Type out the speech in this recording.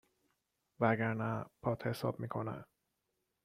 وگرنه پات حساب می کنن